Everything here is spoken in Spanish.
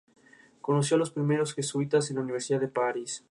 Su principal preocupación en ese momento era el bienestar de su familia.